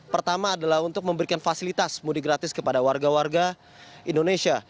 pertama adalah untuk memberikan fasilitas mudik gratis kepada warga warga indonesia